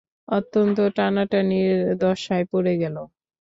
অত্যন্ত টানাটানির দশায় পড়ে গেল।